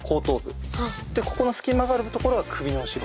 ここの隙間がある所が首の後ろ。